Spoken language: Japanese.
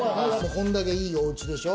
こんだけ良いおうちでしょ。